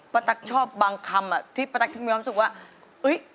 ปะตักชอบบางคำที่ปะตักชอบอยู่ค่อนข้างมหศูนย์ว่า